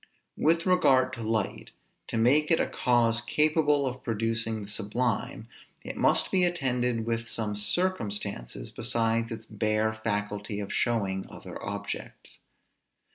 With regard to light, to make it a cause capable of producing the sublime, it must be attended with some circumstances, besides its bare faculty of showing other objects.